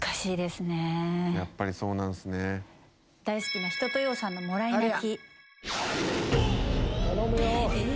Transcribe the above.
大好きな一青窈さんの『もらい泣き』